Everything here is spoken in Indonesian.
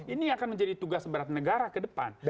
ini akan menjadi tugas berat negara ke depan